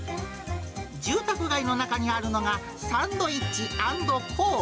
住宅街の中にあるのが、サンドイッチ・アンド・コー。